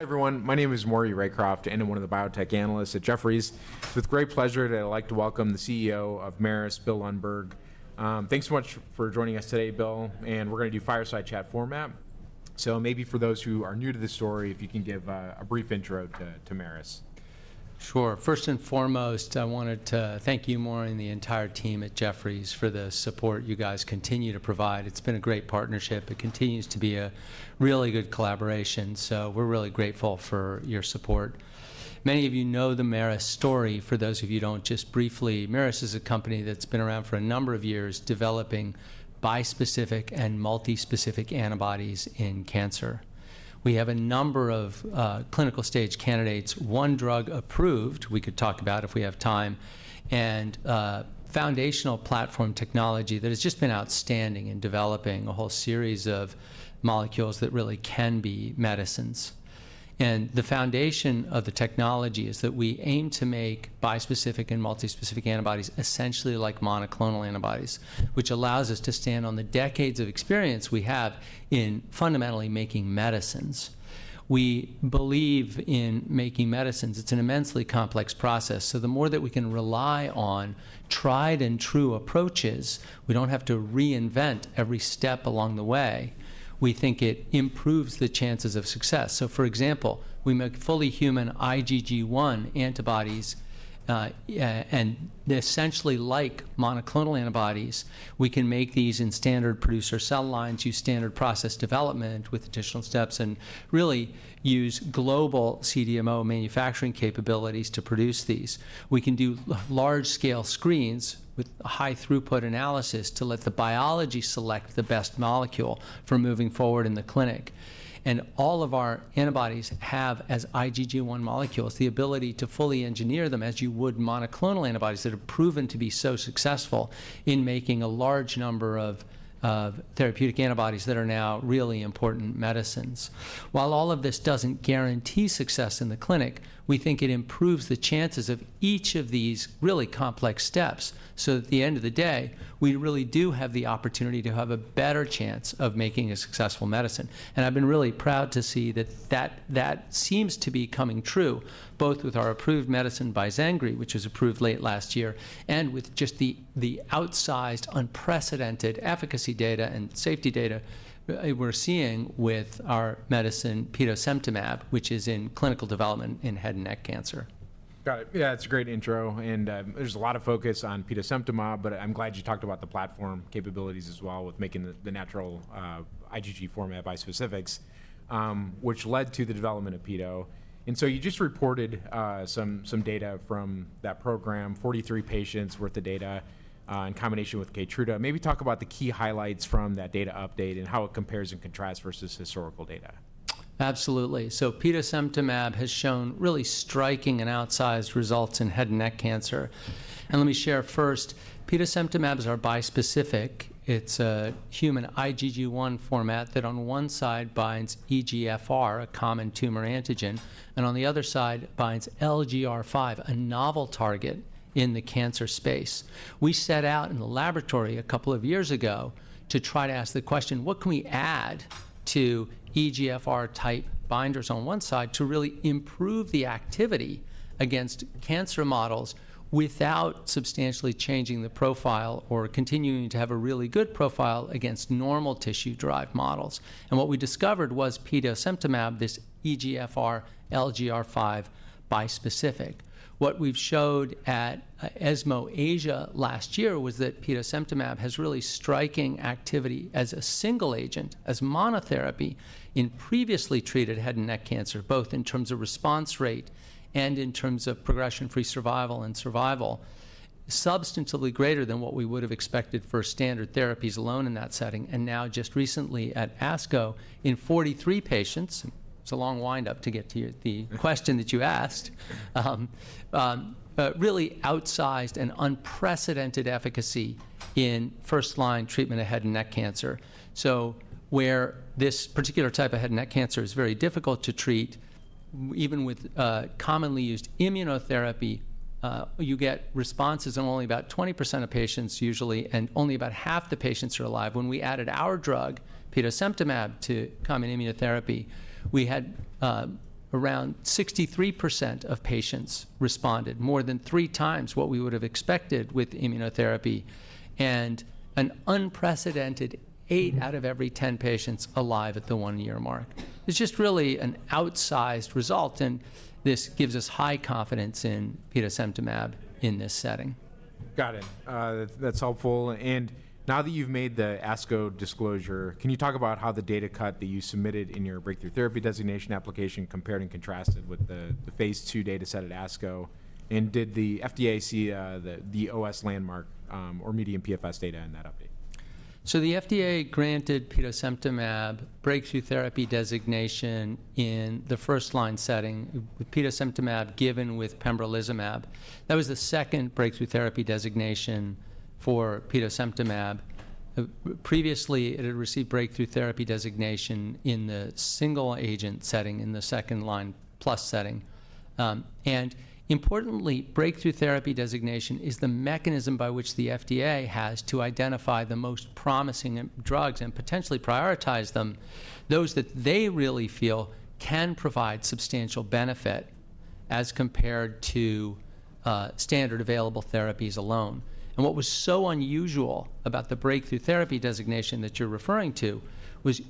Everyone, my name is Maury Raycroft, and I'm one of the biotech analysts at Jefferies. With great pleasure, I'd like to welcome the CEO of Merus, Bill Lundberg. Thanks so much for joining us today, Bill, and we're going to do fireside chat format. Maybe for those who are new to the story, if you can give a brief intro to Merus. Sure. First and foremost, I wanted to thank you more than the entire team at Jefferies for the support you guys continue to provide. It's been a great partnership. It continues to be a really good collaboration, so we're really grateful for your support. Many of you know the Merus story. For those of you who don't, just briefly, Merus is a company that's been around for a number of years developing bispecific and multi-specific antibodies in cancer. We have a number of clinical stage candidates, one drug approved we could talk about if we have time, and foundational platform technology that has just been outstanding in developing a whole series of molecules that really can be medicines. The foundation of the technology is that we aim to make bispecific and multi-specific antibodies essentially like monoclonal antibodies, which allows us to stand on the decades of experience we have in fundamentally making medicines. We believe in making medicines. It's an immensely complex process. The more that we can rely on tried-and-true approaches, we don't have to reinvent every step along the way. We think it improves the chances of success. For example, we make fully human IgG1 antibodies, and essentially like monoclonal antibodies, we can make these in standard producer cell lines, use standard process development with additional steps, and really use global CDMO manufacturing capabilities to produce these. We can do large-scale screens with high-throughput analysis to let the biology select the best molecule for moving forward in the clinic. All of our antibodies have, as IgG1 molecules, the ability to fully engineer them as you would monoclonal antibodies that have proven to be so successful in making a large number of therapeutic antibodies that are now really important medicines. While all of this does not guarantee success in the clinic, we think it improves the chances of each of these really complex steps. At the end of the day, we really do have the opportunity to have a better chance of making a successful medicine. I have been really proud to see that that seems to be coming true, both with our approved medicine, Bizengri, which was approved late last year, and with just the outsized, unprecedented efficacy data and safety data we are seeing with our medicine, Petosemtamab, which is in clinical development in head and neck cancer. Got it. Yeah, that's a great intro. There's a lot of focus on Petosemtamab, but I'm glad you talked about the platform capabilities as well with making the natural IgG1 form of bispecifics, which led to the development of Peto. You just reported some data from that program, 43 patients' worth of data in combination with Keytruda. Maybe talk about the key highlights from that data update and how it compares and contrasts versus historical data. Absolutely. Petosemtamab has shown really striking and outsized results in head and neck cancer. Let me share first, Petosemtamab is our bispecific. It is a human IgG1 format that on one side binds EGFR, a common tumor antigen, and on the other side binds LGR5, a novel target in the cancer space. We set out in the laboratory a couple of years ago to try to ask the question, what can we add to EGFR-type binders on one side to really improve the activity against cancer models without substantially changing the profile or continuing to have a really good profile against normal tissue-derived models? What we discovered was Petosemtamab, this EGFR-LGR5 bispecific. What we've showed at ESMO Asia last year was that Petosemtamab has really striking activity as a single agent, as monotherapy in previously treated head and neck cancer, both in terms of response rate and in terms of progression-free survival and survival, substantively greater than what we would have expected for standard therapies alone in that setting. Now just recently at ASCO in 43 patients, it's a long windup to get to the question that you asked, really outsized and unprecedented efficacy in first-line treatment of head and neck cancer. Where this particular type of head and neck cancer is very difficult to treat, even with commonly used immunotherapy, you get responses in only about 20% of patients usually, and only about half the patients are alive. When we added our drug, Petosemtamab, to common immunotherapy, we had around 63% of patients responded, more than three times what we would have expected with immunotherapy, and an unprecedented 8 out of every 10 patients alive at the one-year mark. It's just really an outsized result, and this gives us high confidence in Petosemtamab in this setting. Got it. That's helpful. Now that you've made the ASCO disclosure, can you talk about how the data cut that you submitted in your breakthrough therapy designation application compared and contrasted with the phase two data set at ASCO? Did the FDA see the OS landmark or median PFS data in that update? The FDA granted Petosemtamab breakthrough therapy designation in the first-line setting with Petosemtamab given with pembrolizumab. That was the second breakthrough therapy designation for Petosemtamab. Previously, it had received breakthrough therapy designation in the single agent setting, in the second-line plus setting. Importantly, breakthrough therapy designation is the mechanism by which the FDA has to identify the most promising drugs and potentially prioritize them, those that they really feel can provide substantial benefit as compared to standard available therapies alone. What was so unusual about the breakthrough therapy designation that you're referring to was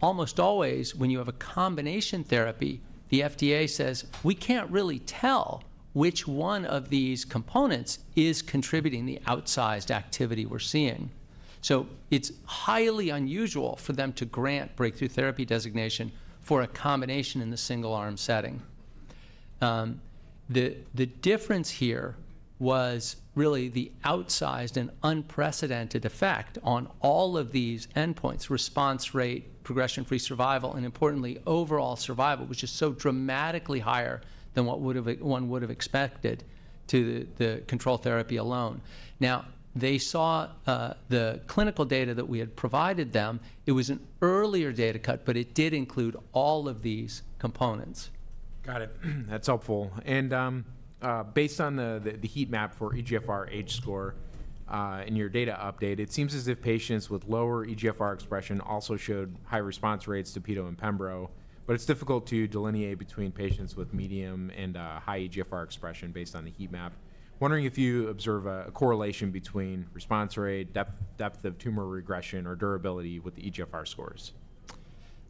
almost always when you have a combination therapy, the FDA says, we can't really tell which one of these components is contributing the outsized activity we're seeing. It is highly unusual for them to grant breakthrough therapy designation for a combination in the single-arm setting. The difference here was really the outsized and unprecedented effect on all of these endpoints: response rate, progression-free survival, and importantly, overall survival was just so dramatically higher than what one would have expected to the control therapy alone. Now, they saw the clinical data that we had provided them. It was an earlier data cut, but it did include all of these components. Got it. That's helpful. Based on the heat map for EGFR H-score in your data update, it seems as if patients with lower EGFR expression also showed high response rates to Peto and Pembro, but it's difficult to delineate between patients with medium and high EGFR expression based on the heat map. Wondering if you observe a correlation between response rate, depth of tumor regression, or durability with the EGFR scores.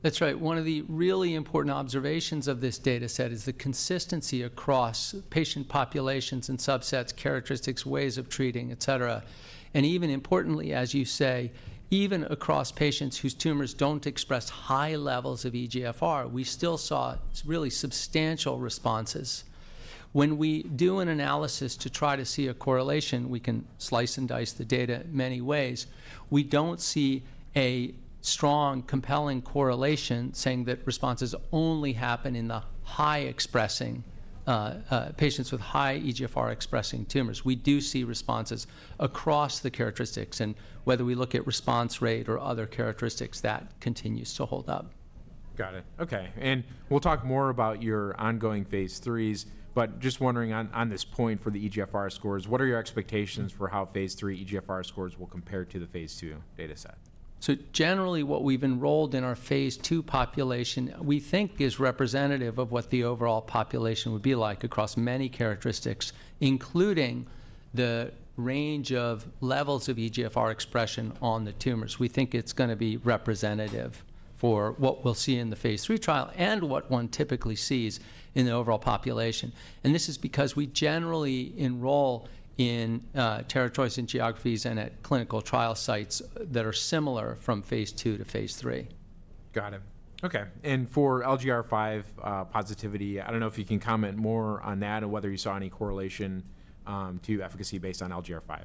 That's right. One of the really important observations of this data set is the consistency across patient populations and subsets, characteristics, ways of treating, et cetera. Even importantly, as you say, even across patients whose tumors do not express high levels of EGFR, we still saw really substantial responses. When we do an analysis to try to see a correlation, we can slice and dice the data in many ways. We do not see a strong, compelling correlation saying that responses only happen in the high-expressing patients with high EGFR-expressing tumors. We do see responses across the characteristics, and whether we look at response rate or other characteristics, that continues to hold up. Got it. Okay. We'll talk more about your ongoing phase threes, but just wondering on this point for the EGFR scores, what are your expectations for how phase three EGFR scores will compare to the phase two data set? Generally, what we've enrolled in our phase two population, we think is representative of what the overall population would be like across many characteristics, including the range of levels of EGFR expression on the tumors. We think it's going to be representative for what we'll see in the phase three trial and what one typically sees in the overall population. This is because we generally enroll in territories and geographies and at clinical trial sites that are similar from phase two to phase three. Got it. Okay. For LGR5 positivity, I don't know if you can comment more on that and whether you saw any correlation to efficacy based on LGR5.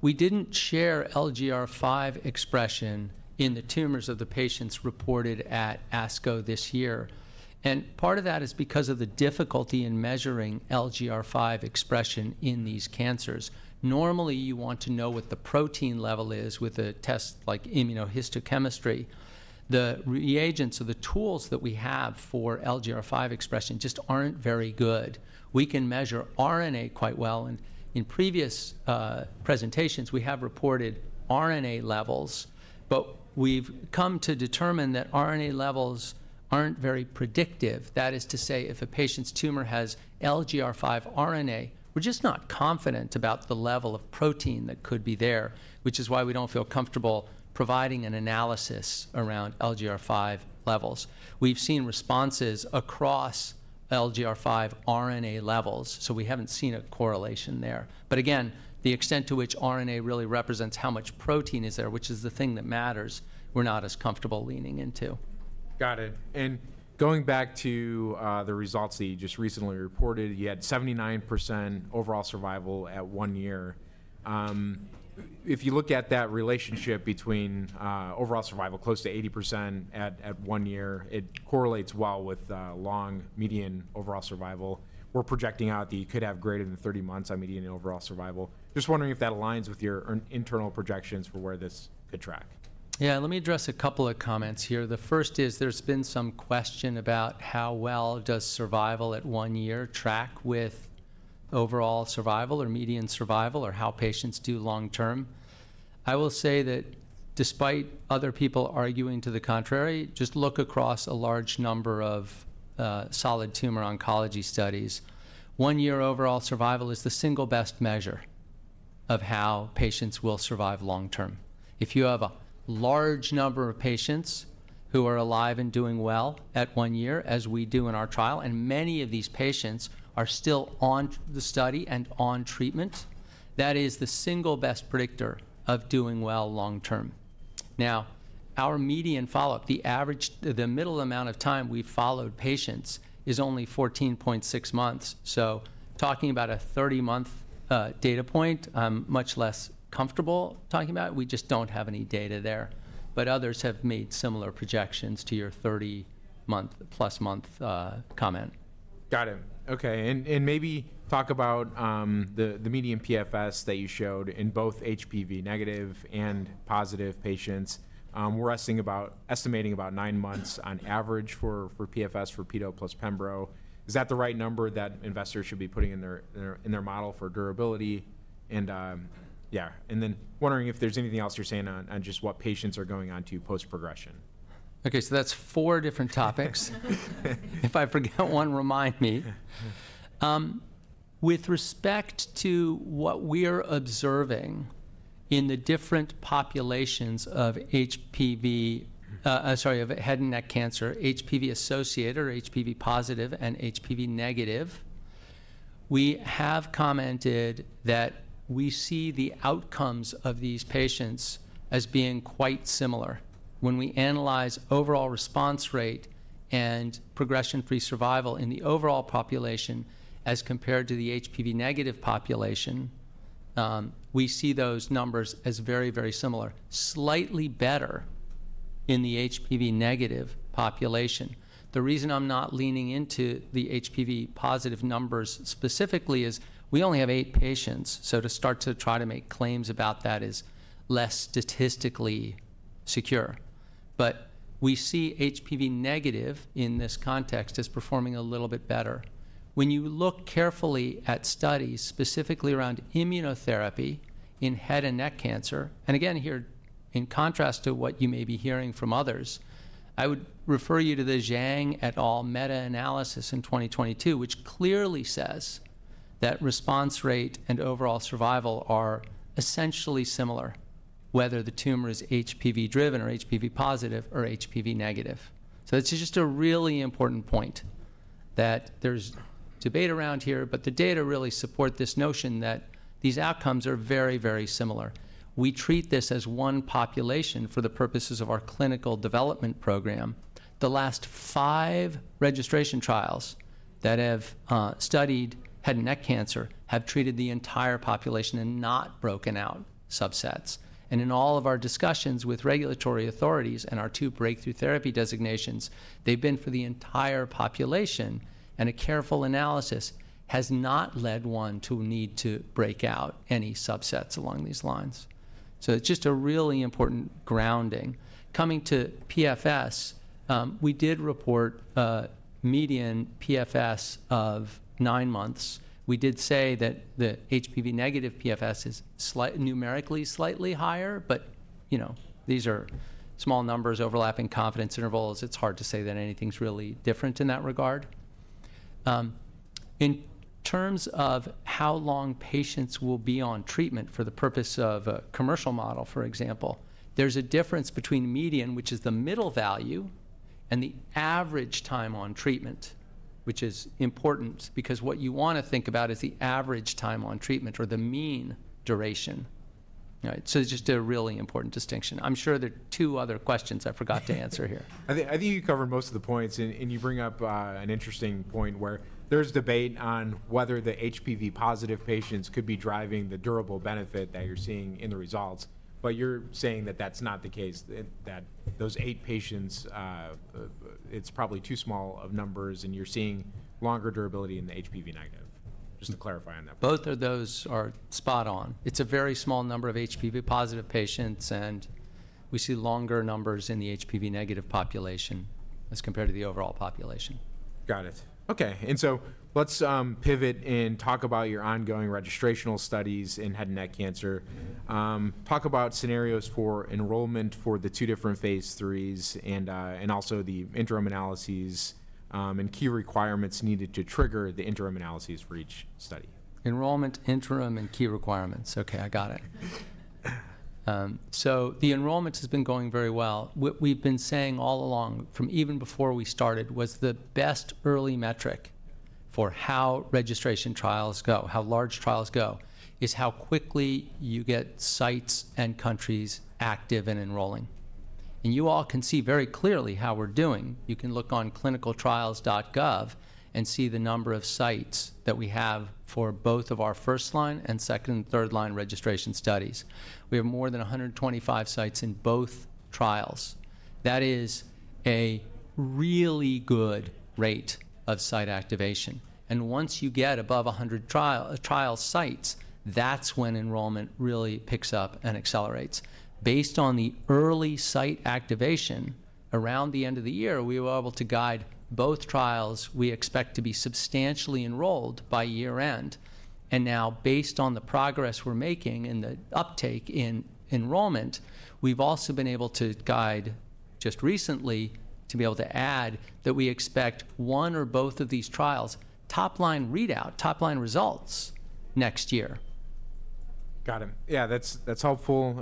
We did not share LGR5 expression in the tumors of the patients reported at ASCO this year. Part of that is because of the difficulty in measuring LGR5 expression in these cancers. Normally, you want to know what the protein level is with a test like immunohistochemistry. The reagents or the tools that we have for LGR5 expression just are not very good. We can measure RNA quite well. In previous presentations, we have reported RNA levels, but we have come to determine that RNA levels are not very predictive. That is to say, if a patient's tumor has LGR5 RNA, we are just not confident about the level of protein that could be there, which is why we do not feel comfortable providing an analysis around LGR5 levels. We have seen responses across LGR5 RNA levels, so we have not seen a correlation there. The extent to which RNA really represents how much protein is there, which is the thing that matters, we're not as comfortable leaning into. Got it. Going back to the results that you just recently reported, you had 79% overall survival at one year. If you look at that relationship between overall survival, close to 80% at one year, it correlates well with long median overall survival. We're projecting out that you could have greater than 30 months on median overall survival. Just wondering if that aligns with your internal projections for where this could track. Yeah, let me address a couple of comments here. The first is there's been some question about how well does survival at one year track with overall survival or median survival or how patients do long term. I will say that despite other people arguing to the contrary, just look across a large number of solid tumor oncology studies, one-year overall survival is the single best measure of how patients will survive long term. If you have a large number of patients who are alive and doing well at one year, as we do in our trial, and many of these patients are still on the study and on treatment, that is the single best predictor of doing well long term. Now, our median follow-up, the average, the middle amount of time we've followed patients is only 14.6 months. Talking about a 30-month data point, I'm much less comfortable talking about it. We just don't have any data there. Others have made similar projections to your 30-month plus month comment. Got it. Okay. Maybe talk about the median PFS that you showed in both HPV negative and positive patients. We're estimating about nine months on average for PFS for Peto plus Pembro. Is that the right number that investors should be putting in their model for durability? Yeah, and then wondering if there's anything else you're saying on just what patients are going on to post-progression. Okay, so that's four different topics. If I forget one, remind me. With respect to what we are observing in the different populations of HPV, sorry, of head and neck cancer, HPV associated or HPV positive and HPV negative, we have commented that we see the outcomes of these patients as being quite similar. When we analyze overall response rate and progression-free survival in the overall population as compared to the HPV negative population, we see those numbers as very, very similar, slightly better in the HPV negative population. The reason I'm not leaning into the HPV positive numbers specifically is we only have eight patients, so to start to try to make claims about that is less statistically secure. But we see HPV negative in this context as performing a little bit better. When you look carefully at studies specifically around immunotherapy in head and neck cancer, and again, here in contrast to what you may be hearing from others, I would refer you to the Zhang et al. meta-analysis in 2022, which clearly says that response rate and overall survival are essentially similar, whether the tumor is HPV driven or HPV positive or HPV negative. This is just a really important point that there's debate around here, but the data really support this notion that these outcomes are very, very similar. We treat this as one population for the purposes of our clinical development program. The last five registration trials that have studied head and neck cancer have treated the entire population and not broken out subsets. In all of our discussions with regulatory authorities and our two breakthrough therapy designations, they've been for the entire population, and a careful analysis has not led one to need to break out any subsets along these lines. It is just a really important grounding. Coming to PFS, we did report median PFS of nine months. We did say that the HPV negative PFS is numerically slightly higher, but these are small numbers overlapping confidence intervals. It is hard to say that anything is really different in that regard. In terms of how long patients will be on treatment for the purpose of a commercial model, for example, there is a difference between median, which is the middle value, and the average time on treatment, which is important because what you want to think about is the average time on treatment or the mean duration. It is just a really important distinction. I'm sure there are two other questions I forgot to answer here. I think you covered most of the points, and you bring up an interesting point where there's debate on whether the HPV positive patients could be driving the durable benefit that you're seeing in the results, but you're saying that that's not the case, that those eight patients, it's probably too small of numbers, and you're seeing longer durability in the HPV negative. Just to clarify on that point. Both of those are spot on. It's a very small number of HPV positive patients, and we see longer numbers in the HPV negative population as compared to the overall population. Got it. Okay. Let's pivot and talk about your ongoing registrational studies in head and neck cancer. Talk about scenarios for enrollment for the two different phase threes and also the interim analyses and key requirements needed to trigger the interim analyses for each study. Enrollment, interim, and key requirements. Okay, I got it. The enrollment has been going very well. What we've been saying all along, from even before we started, was the best early metric for how registration trials go, how large trials go, is how quickly you get sites and countries active in enrolling. You all can see very clearly how we're doing. You can look on clinicaltrials.gov and see the number of sites that we have for both of our first line and second and third line registration studies. We have more than 125 sites in both trials. That is a really good rate of site activation. Once you get above 100 trial sites, that's when enrollment really picks up and accelerates. Based on the early site activation around the end of the year, we were able to guide both trials. We expect to be substantially enrolled by year-end. Now, based on the progress we're making and the uptake in enrollment, we've also been able to guide just recently to be able to add that we expect one or both of these trials, top-line readout, top-line results next year. Got it. Yeah, that's helpful.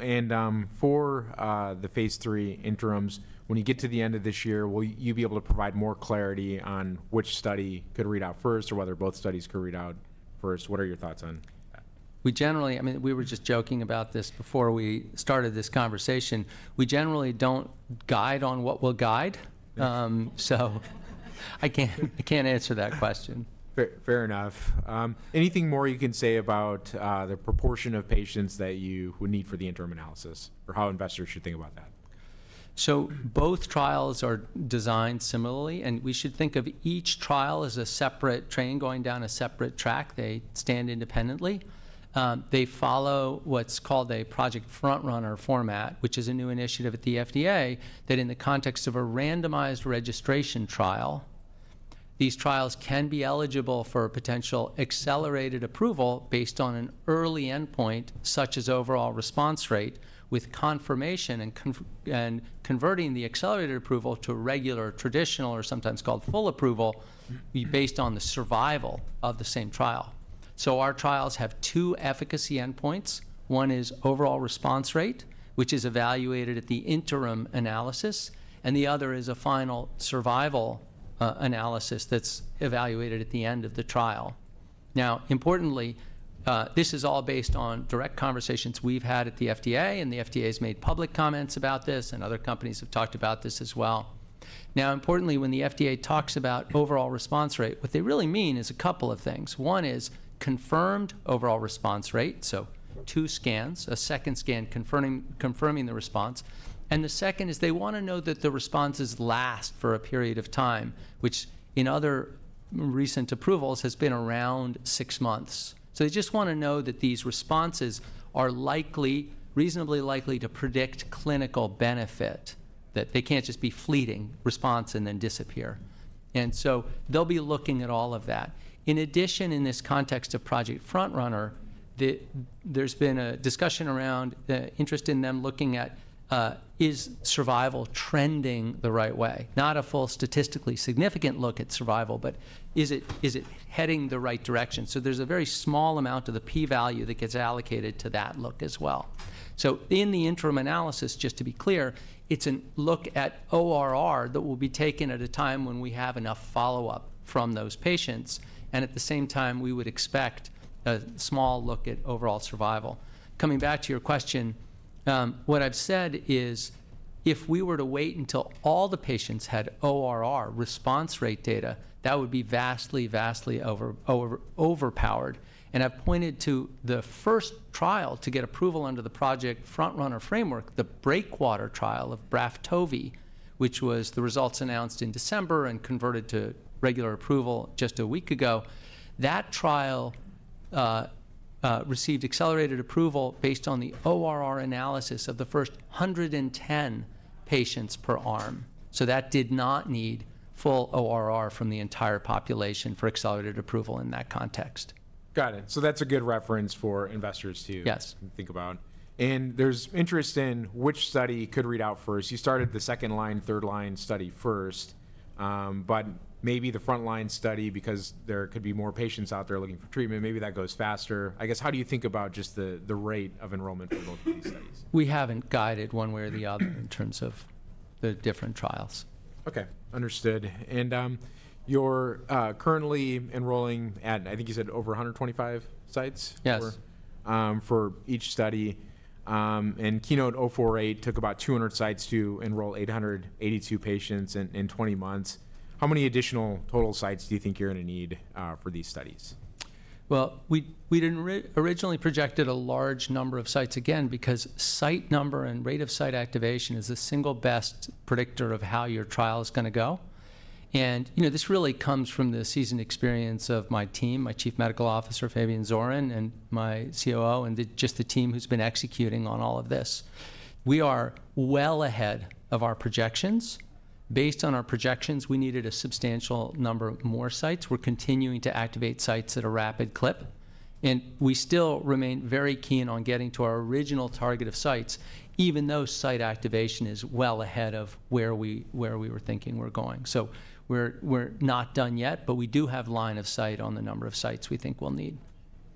For the phase three interims, when you get to the end of this year, will you be able to provide more clarity on which study could read out first or whether both studies could read out first? What are your thoughts on that? We generally, I mean, we were just joking about this before we started this conversation. We generally don't guide on what we'll guide. So I can't answer that question. Fair enough. Anything more you can say about the proportion of patients that you would need for the interim analysis or how investors should think about that? Both trials are designed similarly, and we should think of each trial as a separate train going down a separate track. They stand independently. They follow what's called a Project FrontRunner format, which is a new initiative at the FDA that in the context of a randomized registration trial, these trials can be eligible for potential accelerated approval based on an early endpoint, such as overall response rate, with confirmation and converting the accelerated approval to regular traditional or sometimes called full approval based on the survival of the same trial. Our trials have two efficacy endpoints. One is overall response rate, which is evaluated at the interim analysis, and the other is a final survival analysis that's evaluated at the end of the trial. Now, importantly, this is all based on direct conversations we've had at the FDA, and the FDA has made public comments about this, and other companies have talked about this as well. Now, importantly, when the FDA talks about overall response rate, what they really mean is a couple of things. One is confirmed overall response rate, so two scans, a second scan confirming the response. The second is they want to know that the responses last for a period of time, which in other recent approvals has been around six months. They just want to know that these responses are likely, reasonably likely to predict clinical benefit, that they can't just be fleeting response and then disappear. They will be looking at all of that. In addition, in this context of Project FrontRunner, there's been a discussion around the interest in them looking at is survival trending the right way, not a full statistically significant look at survival, but is it heading the right direction? There is a very small amount of the P-value that gets allocated to that look as well. In the interim analysis, just to be clear, it's a look at ORR that will be taken at a time when we have enough follow-up from those patients. At the same time, we would expect a small look at overall survival. Coming back to your question, what I've said is if we were to wait until all the patients had ORR response rate data, that would be vastly, vastly overpowered. I've pointed to the first trial to get approval under the Project FrontRunner framework, the Breakwater trial of Braftovi, which was the results announced in December and converted to regular approval just a week ago. That trial received accelerated approval based on the ORR analysis of the first 110 patients per arm. That did not need full ORR from the entire population for accelerated approval in that context. Got it. So that's a good reference for investors to think about. Yes. There is interest in which study could read out first. You started the second line, third line study first, but maybe the front line study, because there could be more patients out there looking for treatment, maybe that goes faster. I guess how do you think about just the rate of enrollment for both of these studies? We haven't guided one way or the other in terms of the different trials. Okay, understood. You're currently enrolling at, I think you said, over 125 sites? Yes. For each study. KEYNOTE-048 took about 200 sites to enroll 882 patients in 20 months. How many additional total sites do you think you're going to need for these studies? We did not originally project a large number of sites again because site number and rate of site activation is the single best predictor of how your trial is going to go. This really comes from the seasoned experience of my team, my Chief Medical Officer,, and my COO, and just the team who has been executing on all of this. We are well ahead of our projections. Based on our projections, we needed a substantial number more sites. We are continuing to activate sites at a rapid clip. We still remain very keen on getting to our original target of sites, even though site activation is well ahead of where we were thinking we were going. We are not done yet, but we do have line of sight on the number of sites we think we will need.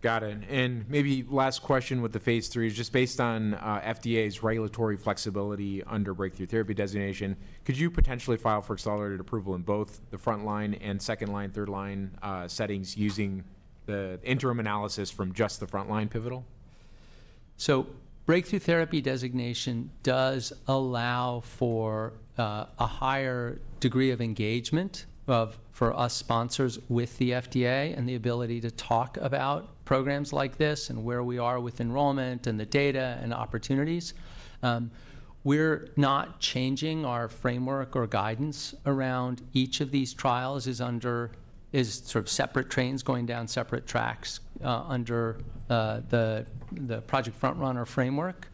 Got it. Maybe last question with the phase three is just based on FDA's regulatory flexibility under breakthrough therapy designation, could you potentially file for accelerated approval in both the front line and second line, third line settings using the interim analysis from just the front line pivotal? Breakthrough therapy designation does allow for a higher degree of engagement for us sponsors with the FDA and the ability to talk about programs like this and where we are with enrollment and the data and opportunities. We're not changing our framework or guidance around each of these trials is under sort of separate trains going down separate tracks under the Project FrontRunner framework.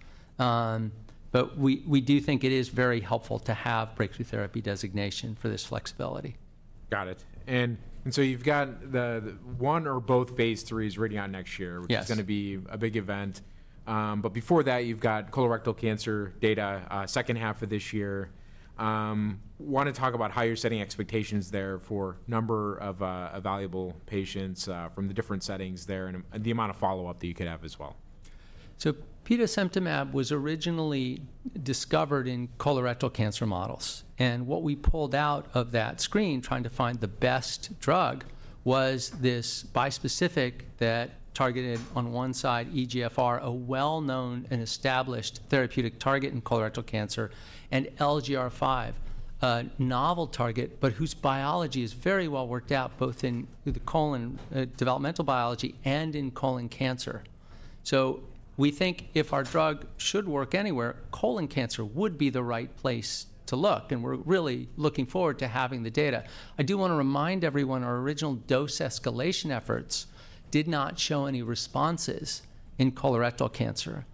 We do think it is very helpful to have breakthrough therapy designation for this flexibility. Got it. And so you've got the one or both phase threes ready on next year, which is going to be a big event. Before that, you've got colorectal cancer data, second half of this year. Want to talk about how you're setting expectations there for number of valuable patients from the different settings there and the amount of follow-up that you could have as well. Petosemtamab was originally discovered in colorectal cancer models. What we pulled out of that screen trying to find the best drug was this bispecific that targeted on one side, EGFR, a well-known and established therapeutic target in colorectal cancer, and LGR5, a novel target, but whose biology is very well worked out both in the colon developmental biology and in colon cancer. We think if our drug should work anywhere, colon cancer would be the right place to look. We're really looking forward to having the data. I do want to remind everyone our original dose escalation efforts did not show any responses in colorectal cancer.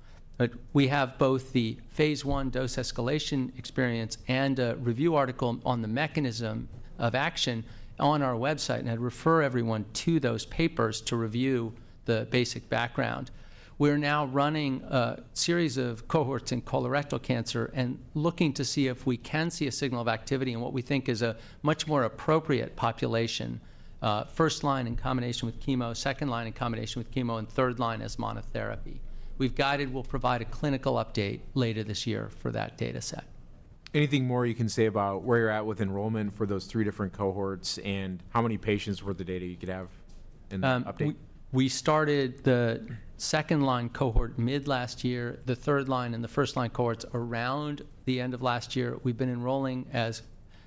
We have both the phase one dose escalation experience and a review article on the mechanism of action on our website and I'd refer everyone to those papers to review the basic background. We're now running a series of cohorts in colorectal cancer and looking to see if we can see a signal of activity in what we think is a much more appropriate population, first line in combination with chemo, second line in combination with chemo, and third line as monotherapy. We've guided we'll provide a clinical update later this year for that data set. Anything more you can say about where you're at with enrollment for those three different cohorts and how many patients were the data you could have in the update? We started the second line cohort mid last year, the third line and the first line cohorts around the end of last year. We've been enrolling as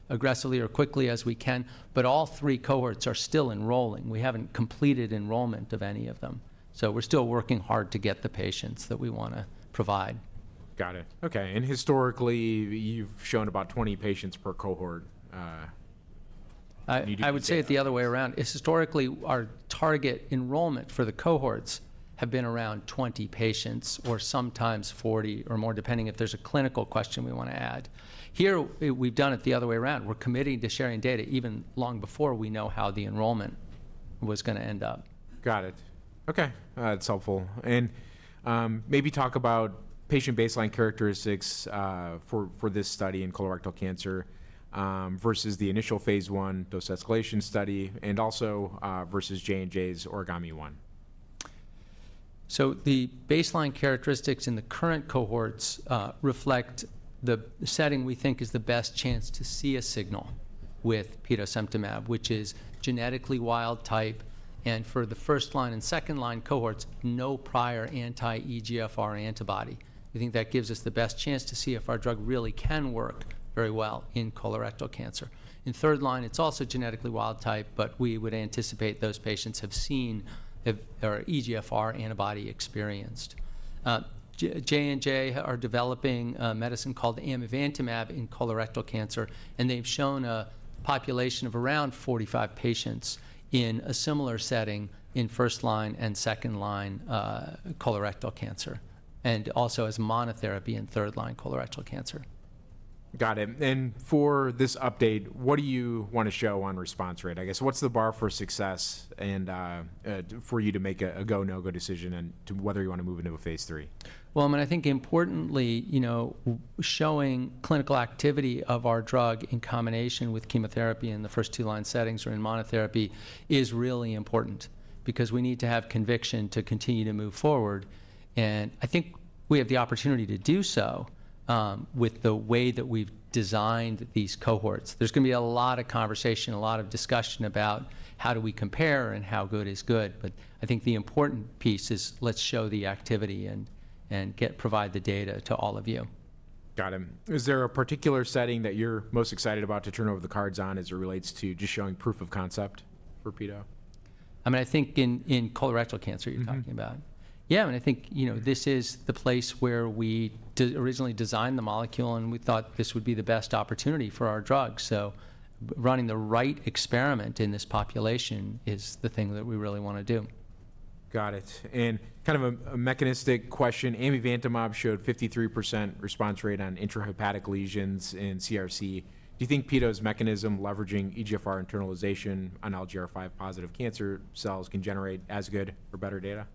aggressively or quickly as we can, but all three cohorts are still enrolling. We haven't completed enrollment of any of them. We are still working hard to get the patients that we want to provide. Got it. Okay. Historically, you've shown about 20 patients per cohort. I would say it the other way around. Historically, our target enrollment for the cohorts have been around 20 patients or sometimes 40 or more, depending if there's a clinical question we want to add. Here, we've done it the other way around. We're committing to sharing data even long before we know how the enrollment was going to end up. Got it. Okay. That's helpful. Maybe talk about patient baseline characteristics for this study in colorectal cancer versus the initial phase one dose escalation study and also versus J&J's Origami One. The baseline characteristics in the current cohorts reflect the setting we think is the best chance to see a signal with Petosemtamab, which is genetically wild type. For the first line and second line cohorts, no prior anti-EGFR antibody. We think that gives us the best chance to see if our drug really can work very well in colorectal cancer. In third line, it is also genetically wild type, but we would anticipate those patients have seen or are EGFR antibody experienced. J&J are developing a medicine called Amivantamab in colorectal cancer, and they have shown a population of around 45 patients in a similar setting in first line and second line colorectal cancer, and also as monotherapy in third line colorectal cancer. Got it. For this update, what do you want to show on response rate? I guess what's the bar for success for you to make a go, no-go decision and whether you want to move into a phase three? I mean, I think importantly, you know, showing clinical activity of our drug in combination with chemotherapy in the first two line settings or in monotherapy is really important because we need to have conviction to continue to move forward. I think we have the opportunity to do so with the way that we've designed these cohorts. There's going to be a lot of conversation, a lot of discussion about how do we compare and how good is good. I think the important piece is let's show the activity and provide the data to all of you. Got it. Is there a particular setting that you're most excited about to turn over the cards on as it relates to just showing proof of concept for Petosemtamab? I mean, I think in colorectal cancer you're talking about. Yeah, I mean, I think, you know, this is the place where we originally designed the molecule and we thought this would be the best opportunity for our drug. Running the right experiment in this population is the thing that we really want to do. Got it. Kind of a mechanistic question, Amivantamab showed 53% response rate on intrahepatic lesions in CRC. Do you think Peto's mechanism leveraging EGFR internalization on LGR5 positive cancer cells can generate as good or better data?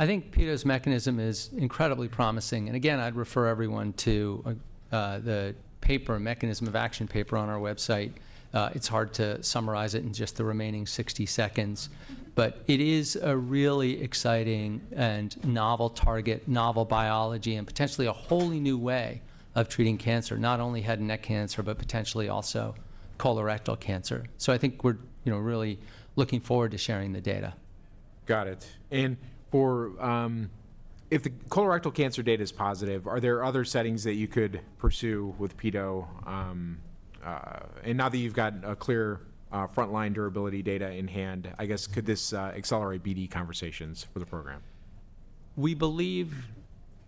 I think Petosemtamab's mechanism is incredibly promising. Again, I'd refer everyone to the paper, Mechanism of Action paper on our website. It's hard to summarize it in just the remaining 60 seconds. It is a really exciting and novel target, novel biology, and potentially a wholly new way of treating cancer, not only head and neck cancer, but potentially also colorectal cancer. I think we're really looking forward to sharing the data. Got it. If the colorectal cancer data is positive, are there other settings that you could pursue with Petosemtamab? Now that you've got clear front line durability data in hand, I guess could this accelerate BD conversations for the program? We believe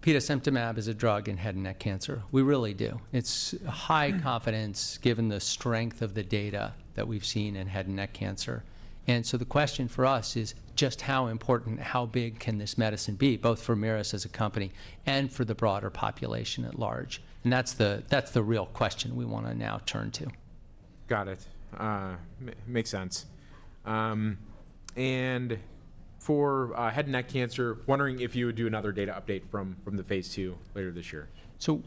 Petosemtamab is a drug in head and neck cancer. We really do. It's high confidence given the strength of the data that we've seen in head and neck cancer. The question for us is just how important, how big can this medicine be, both for Merus as a company and for the broader population at large? That's the real question we want to now turn to. Got it. Makes sense. For head and neck cancer, wondering if you would do another data update from the phase two later this year.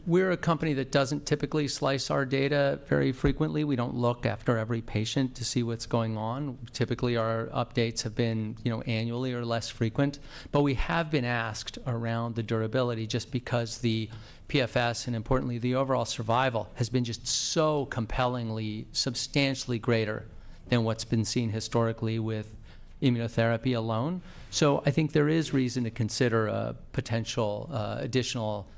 We're a company that doesn't typically slice our data very frequently. We don't look after every patient to see what's going on. Typically, our updates have been annually or less frequent. We have been asked around the durability just because the PFS and, importantly, the overall survival has been just so compellingly substantially greater than what's been seen historically with immunotherapy alone. I think there is reason to consider a potential additional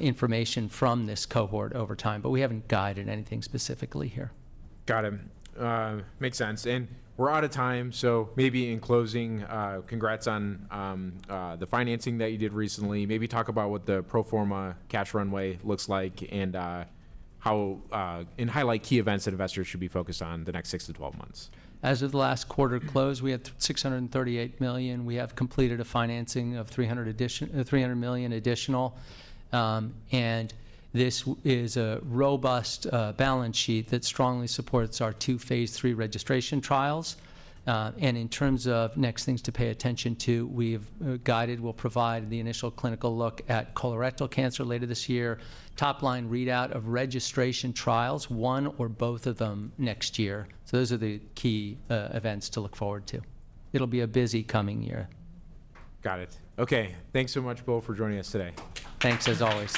information from this cohort over time, but we haven't guided anything specifically here. Got it. Makes sense. We're out of time. Maybe in closing, congrats on the financing that you did recently. Maybe talk about what the pro forma cash runway looks like and highlight key events that investors should be focused on in the next 6 to 12 months. As of the last quarter close, we had $638 million. We have completed a financing of $300 million additional. This is a robust balance sheet that strongly supports our two phase three registration trials. In terms of next things to pay attention to, we've guided we'll provide the initial clinical look at colorectal cancer later this year, top line readout of registration trials, one or both of them next year. Those are the key events to look forward to. It'll be a busy coming year. Got it. Okay. Thanks so much, both, for joining us today. Thanks as always.